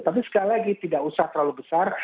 tapi sekali lagi tidak usah terlalu besar